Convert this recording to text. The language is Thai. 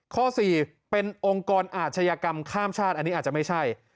ข้อ๔เป็นองค์กรอาชญากรรมข้ามชาติอันนี้อาจจะไม่ใช่